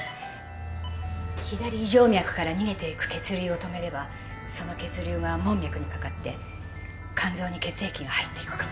左胃静脈から逃げていく血流を止めればその血流が門脈にかかって肝臓に血液が入っていくかも。